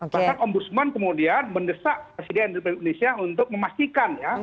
bahkan ombudsman kemudian mendesak presiden indonesia untuk memastikan ya